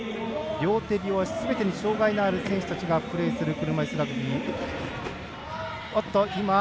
両手両足すべてに障がいがある選手がプレーする車いすラグビー。